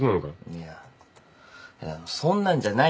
いやそんなんじゃないけどさ。